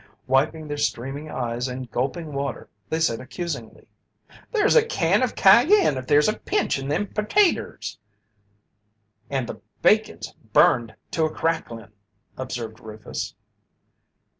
Wiping their streaming eyes and gulping water, they said accusingly: "There's a can of cayenne if there's a pinch in them pertaters!" "And the bacon's burned to a cracklin'," observed Rufus.